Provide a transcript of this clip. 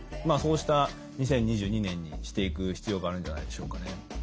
まあそうした２０２２年にしていく必要があるんじゃないでしょうかね。